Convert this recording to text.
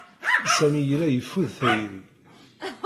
Sami yella yeffud tayri.